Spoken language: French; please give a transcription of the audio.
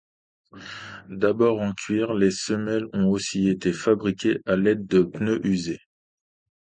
D'abord en cuir, les semelles ont aussi été fabriquées à l'aide de pneus usés.